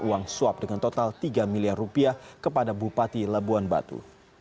uang suap dengan total tiga miliar rupiah kepada bupati labuan batu